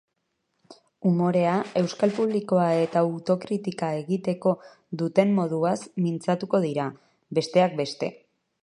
Umorea, euskal publikoa eta autokritika egiteko dutenmoduaz mintzatuko dira, besteak beste.